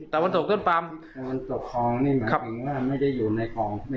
ตะวันตกคลองนี่หมายถึงว่าไม่ได้อยู่ในคลอง